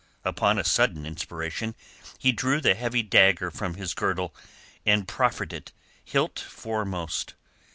Upon a sudden inspiration he drew the heavy dagger from his girdle and proffered it, hilt foremost.